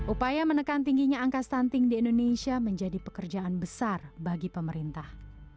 upaya menekan tingginya angka stunting di indonesia menjadi pekerjaan besar bagi pemerintah